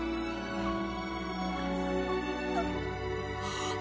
あっ。